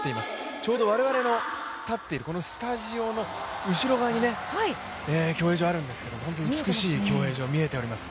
ちょうど我々の立っているスタジオの後ろ側に競泳場があるんですけど本当に美しい競泳場見えております。